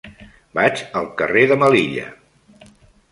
Vaig al carrer de Melilla.